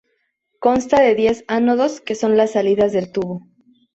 Consta de diez ánodos que son las salidas del tubo.